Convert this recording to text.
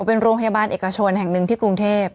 เป็นโรงพยาบาลเอกชนแห่งหนึ่งที่กรุงเทพ